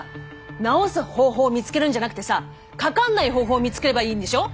治す方法を見つけるんじゃなくてさ「かかんない」方法を見つければいいんでしょ。